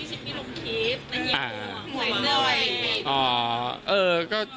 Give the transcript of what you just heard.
พี่ชิปปี้ลงลิฟท์